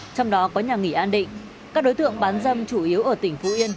trong đó có nhà nghỉ an định các đối tượng bán dâm chủ yếu ở tỉnh phú yên